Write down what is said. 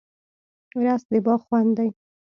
رس د باغ خوند دی